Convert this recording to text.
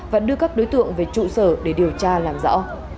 và đưa các đối tượng về trụ sở để điều tra làm rõ